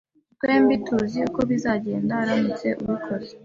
Twembi tuzi uko bizagenda uramutse ubikoze